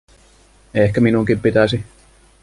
Ehkä minunkin pitäisi.